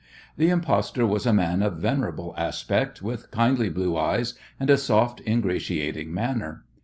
The impostor was a man of venerable aspect, with kindly blue eyes and a soft, ingratiating manner.